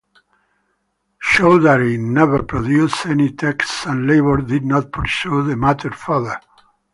Choudary never produced any texts and Labour did not pursue the matter further.